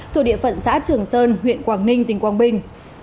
thuộc địa phận xã trường sơn huyện quảng ninh tỉnh quảng bình